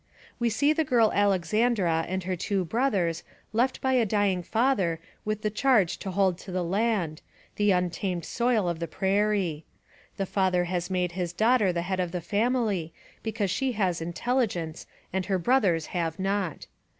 We see the girl Alexandra and her two brothers left by a dying father with the charge to hold to the land, the untamed soil of the prairie. The father has made his daughter the head of the family because she has intelligence and her brothers have not.